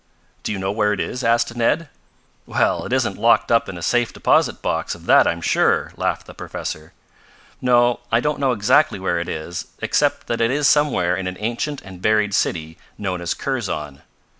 "Do you know where it is?" asked Ned. "Well, it isn't locked up in a safe deposit box, of that I'm sure," laughed the professor. "No, I don't know exactly where it is, except that it is somewhere in an ancient and buried city known as Kurzon.